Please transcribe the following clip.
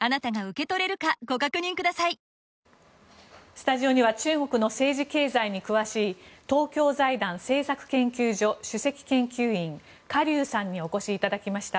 スタジオには中国の政治・経済に詳しい東京財団政策研究所主席研究員カ・リュウさんにお越しいただきました。